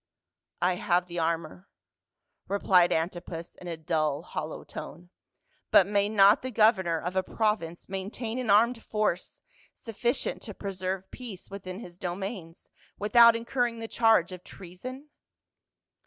" I have the armor," replied Antipas in a dull hol low tone, "but may not the governor of a province maintain an armed force sufficient to preserve peace within his domains, without incurring the charge of treason